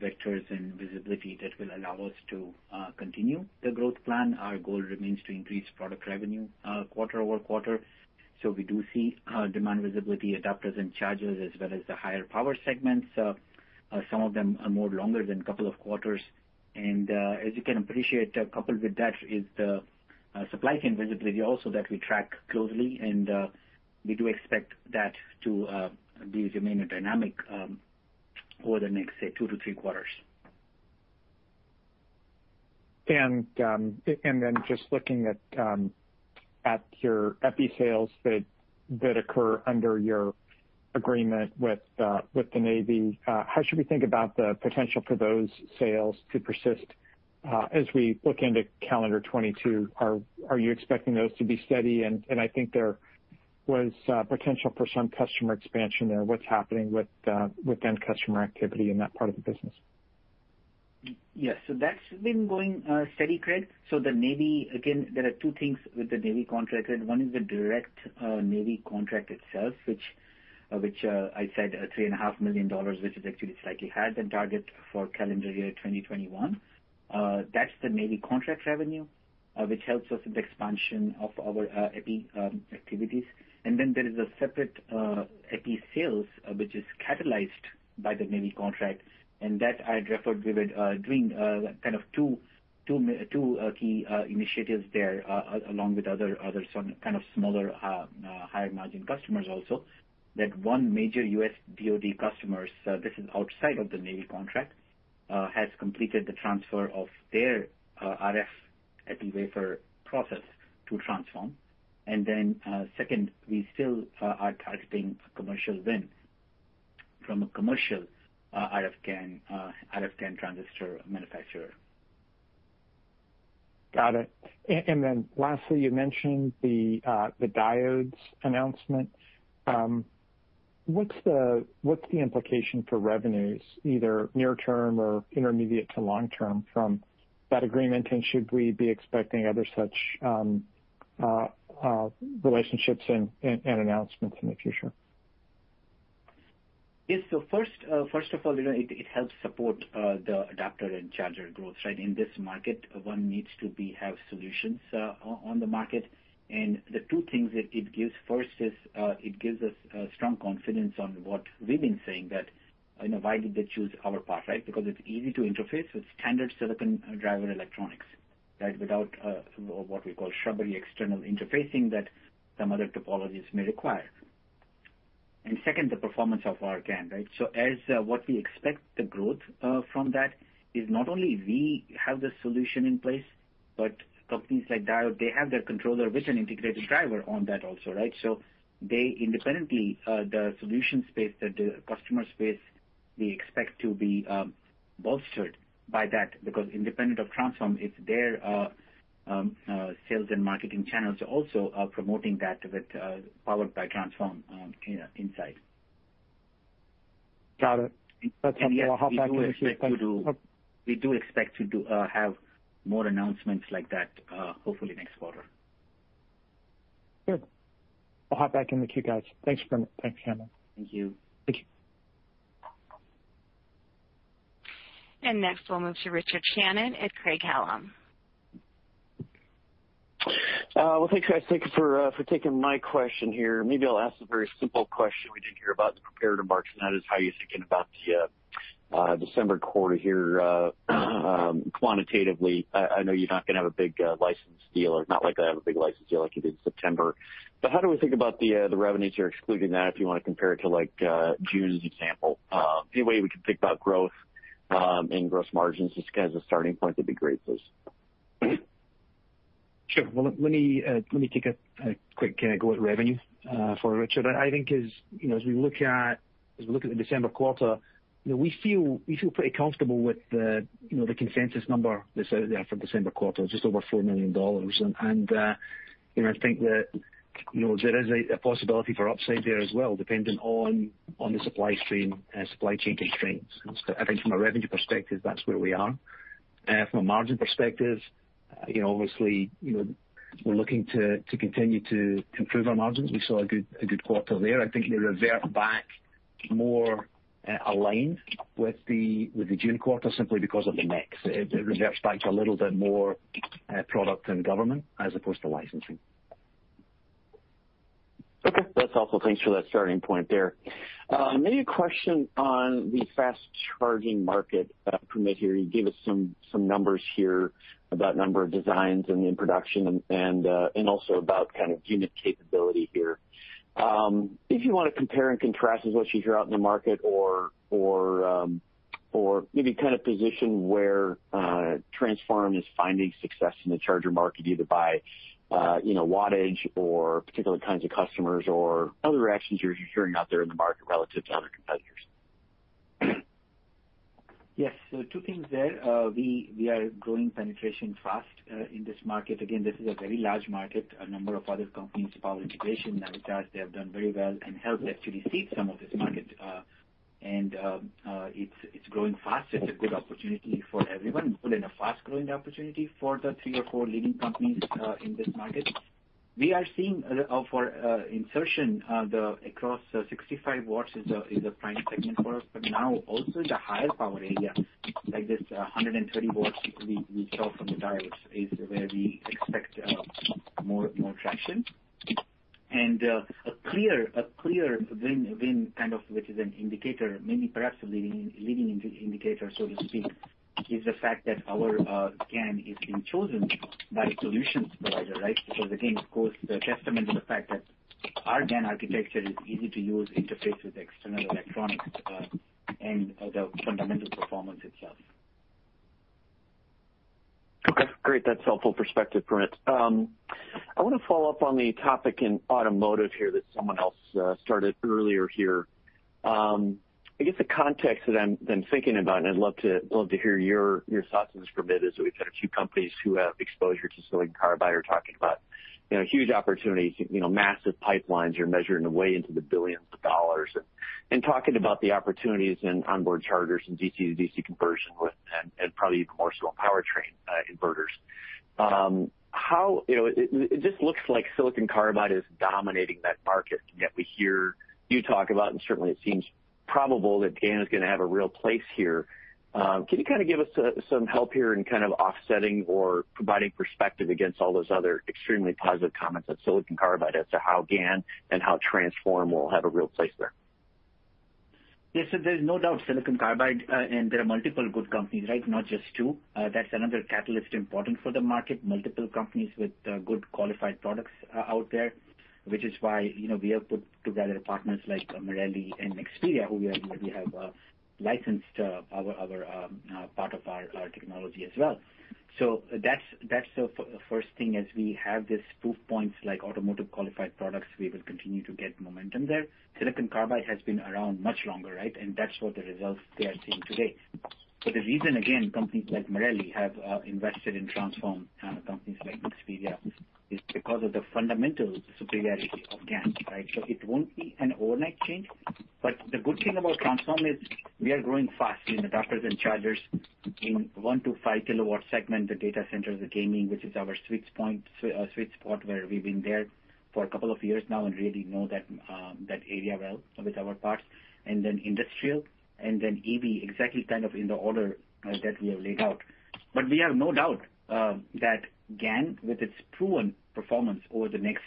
vectors and visibility that will allow us to continue the growth plan. Our goal remains to increase product revenue quarter-over-quarter. We do see demand visibility adapters and chargers as well as the higher power segments. Some of them are more longer than couple of quarters. As you can appreciate, coupled with that is the supply chain visibility also that we track closely. We do expect that to be remaining dynamic over the next, say, two to three quarters. Then just looking at your EPI sales that occur under your agreement with the Navy, how should we think about the potential for those sales to persist as we look into calendar 2022? Are you expecting those to be steady? I think there was potential for some customer expansion there. What's happening with end customer activity in that part of the business? Yes. That's been going steady, Craig. The Navy, again, there are two things with the Navy contract. One is the direct Navy contract itself, which I said $3.5 million, which is actually slightly higher than target for calendar year 2021. That's the Navy contract revenue, which helps us with expansion of our EPI activities. There is a separate EPI sales, which is catalyzed by the Navy contract, and that I referred we were doing kind of two key initiatives there, along with other some kind of smaller higher margin customers also. That one major U.S. DoD customer, this is outside of the Navy contract, has completed the transfer of their RF EPI wafer process to Transphorm. Second, we still are targeting commercial win from a commercial RF GaN transistor manufacturer. Got it. Then lastly, you mentioned the Diodes announcement. What's the implication for revenues, either near term or intermediate to long term from that agreement? Should we be expecting other such relationships and announcements in the future? Yes. First of all, you know, it helps support the adapter and charger growth, right? In this market, one needs to have solutions on the market. The two things that it gives first is, it gives us strong confidence on what we've been saying that, you know, why did they choose our path, right? Because it's easy to interface with standard silicon driver electronics, right? Without what we call shrubbery external interfacing that some other topologies may require. Second, the performance of our GaN, right? As what we expect the growth from that is not only we have the solution in place, but companies like Diodes, they have their controller with an integrated driver on that also, right? They independently, the solution space that the customer space, we expect to be bolstered by that because independent of Transphorm, it's their sales and marketing channels also are promoting that with powered by Transphorm, you know, insight. Got it. That's something I'll hop back in the queue. Yes, we do expect to have more announcements like that, hopefully next quarter. Good. I'll hop back in the queue, guys. Thanks, Primit. Thanks, Cameron. Thank you. Thank you. Next we'll move to Richard Shannon at Craig-Hallum. Well, thanks, guys. Thank you for taking my question here. Maybe I'll ask a very simple question we didn't hear about the comparative margin, that is how you're thinking about the December quarter here quantitatively. I know you're not gonna have a big license deal or not likely to have a big license deal like you did in September. How do we think about the revenues here, excluding that, if you wanna compare it to like June as an example? Any way we can think about growth and gross margins just as a starting point would be great, please. Sure. Well, let me take a quick kinda go at revenue for Richard. I think as you know, as we look at the December quarter, you know, we feel pretty comfortable with you know, the consensus number that's out there for December quarter, just over $4 million. You know, I think that you know, there is a possibility for upside there as well, depending on the supply chain constraints. I think from a revenue perspective, that's where we are. From a margin perspective. You know, obviously, you know, we're looking to continue to improve our margins. We saw a good quarter there. I think they revert back more aligned with the June quarter simply because of the mix. It reverts back to a little bit more product and government as opposed to licensing. Okay. That's helpful. Thanks for that starting point there. Maybe a question on the fast-charging market, Primit, here. You gave us some numbers here about number of designs and in production and also about kind of unit capability here. If you wanna compare and contrast with what you hear out in the market or maybe kind of position where Transphorm is finding success in the charger market, either by you know wattage or particular kinds of customers or other reactions you're hearing out there in the market relative to other competitors. Yes. Two things there. We are growing penetration fast in this market. Again, this is a very large market. A number of other companies, Power Integrations, Navitas, they have done very well and helped actually seed some of this market. It's growing fast. It's a good opportunity for everyone, including a fast-growing opportunity for the three or four leading companies in this market. We are seeing for insertion across 65 W is a prime segment for us. Now also the higher power area, like this 130 W, which we saw from the Diodes, is where we expect more traction. A clear win-win kind of, which is an indicator, maybe perhaps a leading indicator, so to speak, is the fact that our GaN is being chosen by a solutions provider, right? Because again, of course, the testament to the fact that our GaN architecture is easy to use, interface with external electronics, and the fundamental performance itself. Okay, great. That's helpful perspective, Primit. I wanna follow up on the topic in automotive here that someone else started earlier here. I guess the context that I'm thinking about, and I'd love to hear your thoughts on this, Primit, is that we've had a few companies who have exposure to silicon carbide are talking about, you know, huge opportunities, you know, massive pipelines you're measuring way into the billions of dollars and talking about the opportunities in onboard chargers and DC to DC conversion with and probably even more so on powertrain inverters. How. You know, it just looks like silicon carbide is dominating that market. Yet we hear you talk about, and certainly it seems probable that GaN is gonna have a real place here. Can you kind of give us some help here in kind of offsetting or providing perspective against all those other extremely positive comments on silicon carbide as to how GaN and how Transphorm will have a real place there? Yes. There's no doubt silicon carbide and there are multiple good companies, right? Not just two. That's another catalyst important for the market. Multiple companies with good qualified products out there, which is why, you know, we have put together partners like Marelli and Nexperia, who we have licensed our part of our technology as well. That's the first thing is we have these proof points like automotive qualified products. We will continue to get momentum there. Silicon carbide has been around much longer, right? That's what the results they are seeing today. The reason, again, companies like Marelli have invested in Transphorm, and companies like Nexperia, is because of the fundamental superiority of GaN, right? It won't be an overnight change, but the good thing about Transphorm is we are growing fast in adapters and chargers in 1 kW-5 kW segment, the data centers, the gaming, which is our sweet spot, where we've been there for a couple of years now and really know that area well with our parts. Then industrial and then EV exactly kind of in the order that we have laid out. We have no doubt that GaN with its proven performance over the next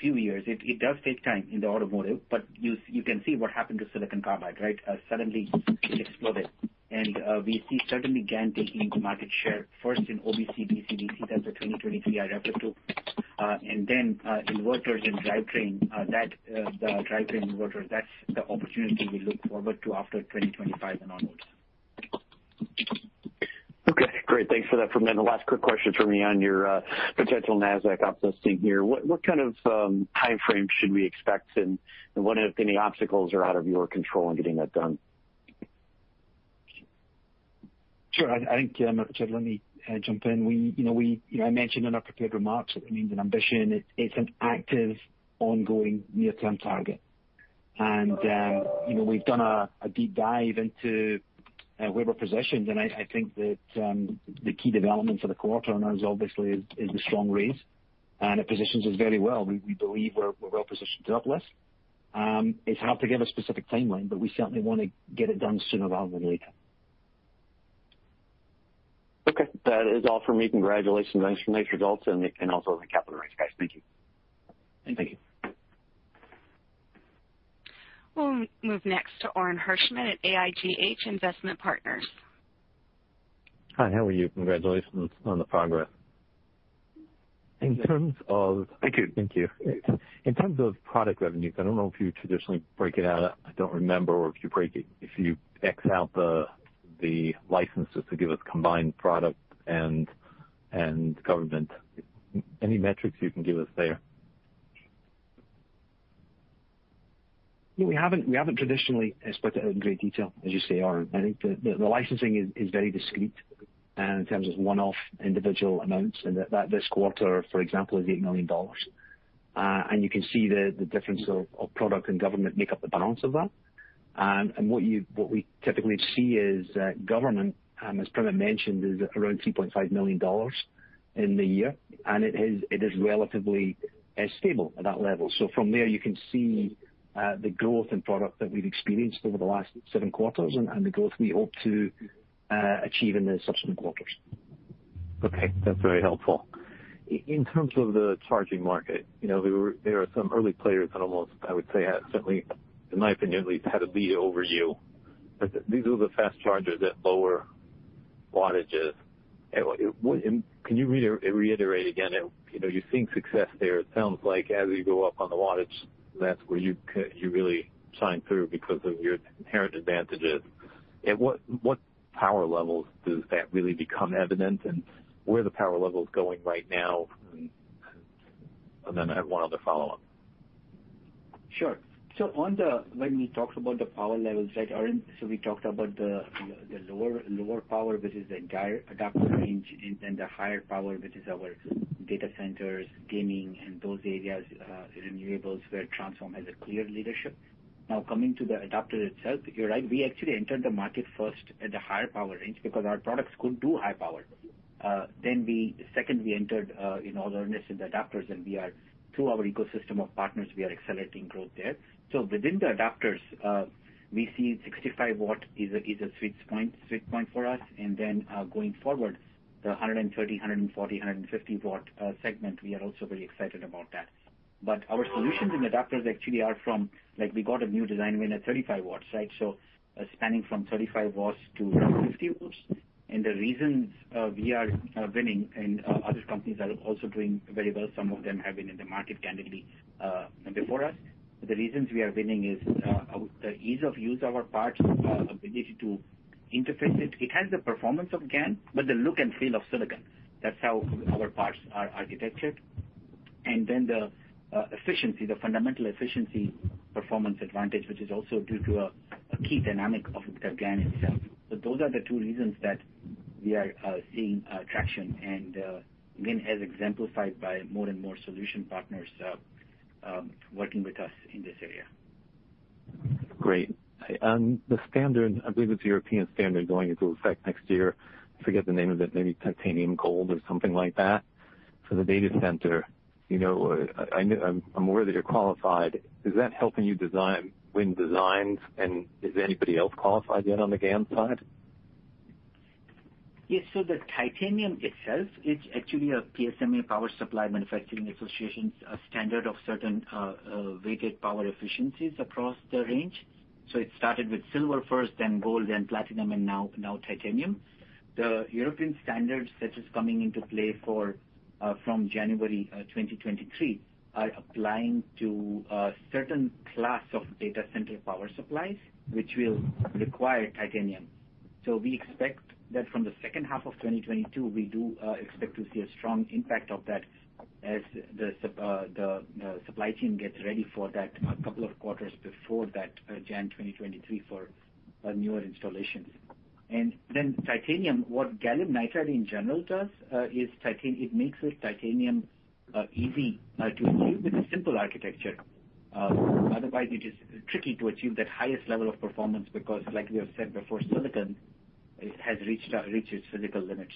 few years, it does take time in the automotive, but you can see what happened to silicon carbide, right? Suddenly it exploded. We see certainly GaN taking market share first in OBC, DC/DC, that's the 2023 I referred to. Inverters and drivetrain, the drivetrain inverters, that's the opportunity we look forward to after 2025 and onwards. Okay, great. Thanks for that, Primit. Last quick question for me on your potential Nasdaq uplisting here. What kind of timeframe should we expect, and what, if any, obstacles are out of your control in getting that done? Sure. I think, let me jump in. You know, I mentioned in our prepared remarks that it's an ambition. It's an active, ongoing near-term target. You know, we've done a deep dive into where we're positioned, and I think that the key development for the quarter now is obviously the strong raise, and it positions us very well. We believe we're well positioned to scale. It's hard to give a specific timeline, but we certainly wanna get it done sooner rather than later. Okay. That is all for me. Congratulations on some nice results and also the capital raise, guys. Thank you. Thank you. Thank you. We'll move next to Orin Hirschman at AIGH Investment Partners. Hi, how are you? Congratulations on the progress. In terms of Thank you. Thank you. In terms of product revenues, I don't know if you traditionally break it out. I don't remember or if you break it, if you X out the licenses to give us combined product and government. Any metrics you can give us there? Yeah. We haven't traditionally split it out in great detail, as you say, Orin. I think the licensing is very discrete in terms of one-off individual amounts, and that this quarter, for example, is $8 million. You can see the difference of product and government make up the balance of that. What we typically see is that government, as Primit mentioned, is around $3.5 million in the year, and it is relatively stable at that level. From there, you can see the growth in product that we've experienced over the last seven quarters and the growth we hope to achieve in the subsequent quarters. Okay, that's very helpful. In terms of the charging market, you know, there are some early players that almost, I would say have certainly, in my opinion, at least had a lead over you. These are the fast chargers at lower wattages. Can you reiterate it again, you know, you're seeing success there, it sounds like as you go up on the wattage, that's where you really shine through because of your inherent advantages. At what power levels does that really become evident, and where are the power levels going right now? Then I have one other follow-up. Sure. When we talked about the power levels, right, Orin, we talked about the lower power, which is the entire adapter range, and then the higher power, which is our data centers, gaming, and those areas, renewables, where Transphorm has a clear leadership. Now, coming to the adapter itself, you're right. We actually entered the market first at the higher power range because our products could do high power. Secondly, we entered, you know, the earnest adapters, and through our ecosystem of partners, we are accelerating growth there. Within the adapters, we see 65 W is a switch point for us. Then, going forward, the 130 W, 140, W 150 W segment, we are also very excited about that. Our solutions in adapters actually are from. Like, we got a new design win at 35 W, right? Spanning from 35 W-50 W. The reasons we are winning and other companies are also doing very well, some of them have been in the market candidly before us. The reasons we are winning is our ease of use of our parts, ability to interface it. It has the performance of GaN, but the look and feel of silicon. That's how our parts are architectured. Then the efficiency, the fundamental efficiency performance advantage, which is also due to a key dynamic of GaN itself. Those are the two reasons that we are seeing traction. Again, as exemplified by more and more solution partners working with us in this area. Great. I believe it's a European standard going into effect next year. I forget the name of it, maybe Titanium Gold or something like that. For the data center, you know, I'm aware that you're qualified. Is that helping you win designs, and is anybody else qualified yet on the GaN side? Yes. The Titanium itself is actually a PSMA, Power Sources Manufacturers Association, standard of certain weighted power efficiencies across the range. It started with silver first, then gold, then platinum, and now titanium. The European standards, such as coming into play for from January 2023, are applying to a certain class of data center power supplies, which will require titanium. We expect that from the second half of 2022, we do expect to see a strong impact of that as the supply chain gets ready for that a couple of quarters before that, January 2023 for newer installations. Titanium, what gallium nitride in general does, is it makes the Titanium easy to achieve with a simple architecture. Otherwise, it is tricky to achieve that highest level of performance because like we have said before, silicon has reached its physical limits.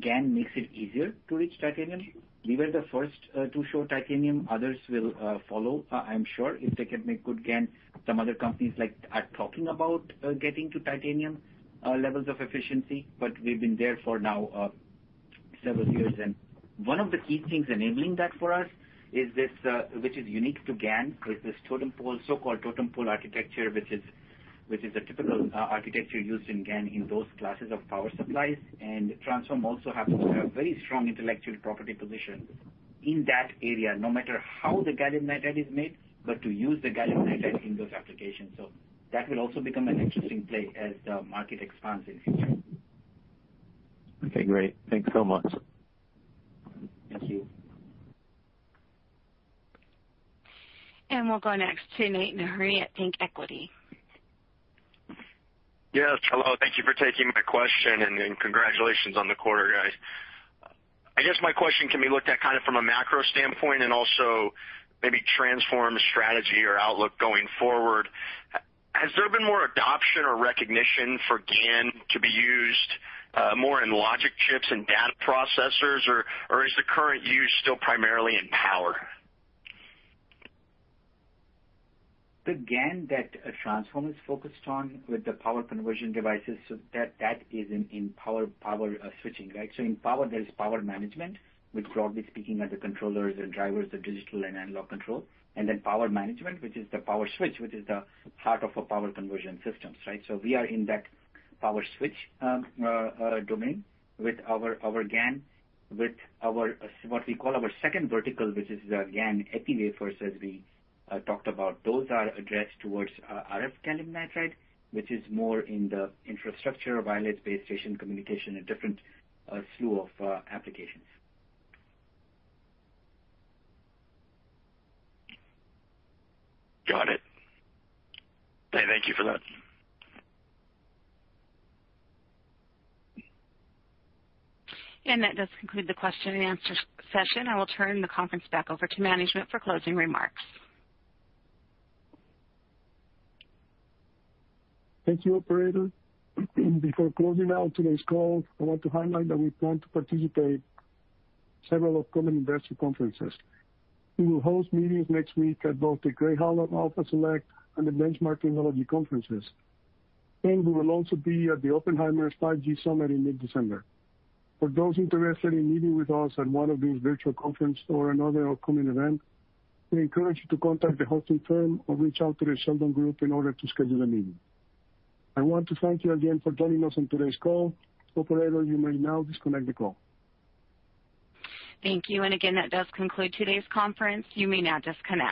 GaN makes it easier to reach Titanium. We were the first to show Titanium. Others will follow, I'm sure, if they can make good GaN. Some other companies, like, are talking about getting to Titanium levels of efficiency, but we've been there for now several years. One of the key things enabling that for us is this, which is unique to GaN, is this totem pole, so-called totem pole architecture, which is a typical architecture used in GaN in those classes of power supplies. Transphorm also has a very strong intellectual property position in that area, no matter how the gallium nitride is made, but to use the gallium nitride in those applications. That will also become an interesting play as the market expands in future. Okay, great. Thanks so much. Thank you. We'll go next to [Nate Neher at Pink Equity]. Yes. Hello. Thank you for taking my question, and congratulations on the quarter, guys. I guess my question can be looked at kind of from a macro standpoint and also maybe Transphorm's strategy or outlook going forward. Has there been more adoption or recognition for GaN to be used more in logic chips and data processors, or is the current use still primarily in power? The GaN that Transphorm is focused on with the power conversion devices, so that is in power switching, right? In power, there is power management, which broadly speaking, are the controllers, the drivers, the digital and analog control. Then power management, which is the power switch, which is the heart of a power conversion systems, right? We are in that power switch domain with our GaN. With our what we call our second vertical, which is the GaN epi wafers, as we talked about. Those are addressed towards RF gallium nitride, which is more in the infrastructure, wireless base station communication, a different slew of applications. Got it. Thank you for that. That does conclude the question and answer session. I will turn the conference back over to management for closing remarks. Thank you, operator. Before closing out today's call, I want to highlight that we plan to participate in several upcoming investor conferences. We will host meetings next week at both the Craig-Hallum Alpha Select and the Benchmark Technology Conferences. We will also be at the Oppenheimer's 5G Summit in mid-December. For those interested in meeting with us at one of these virtual conferences or another upcoming event, we encourage you to contact the hosting firm or reach out to the Shelton Group in order to schedule a meeting. I want to thank you again for joining us on today's call. Operator, you may now disconnect the call. Thank you. Again, that does conclude today's conference. You may now disconnect.